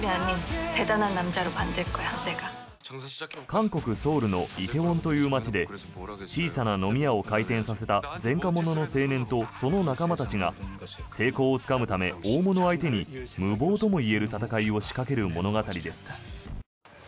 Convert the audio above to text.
韓国ソウルの梨泰院という街で小さな飲み屋を開店させた前科者の青年とその仲間たちが成功をつかむため大物を相手に無謀ともいえる戦いを仕掛ける物語です。